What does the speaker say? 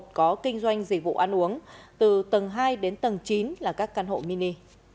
trung cư mini xảy ra vụ cháy nằm ở mặt đường phố quan nhân tầng hai đến tầng chín là các căn hộ mini